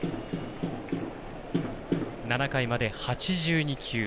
７回まで８２球。